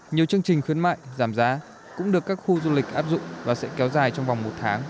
nhiều chương trình khuyến mại giảm giá cũng được các khu du lịch áp dụng và sẽ kéo dài trong vòng một tháng